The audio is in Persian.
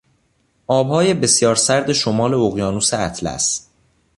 آبهای بسیار سرد شمال اقیانوس اطلس